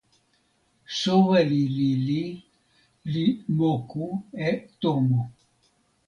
soweli lili li moku e tomo